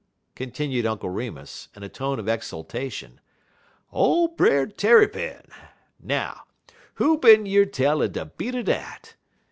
continued Uncle Remus in a tone of exultation. "Ole Brer Tarrypin! Now, who bin year tell er de beat er dat?